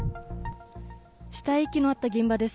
死体遺棄のあった現場です。